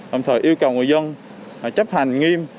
hồng thời yêu cầu người dân chấp hành nghiêm